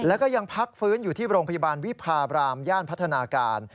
แล้วก็ยังพักฟื้นอยู่ที่โรงพยาบาลวิพาบรามย่านพัฒนาการ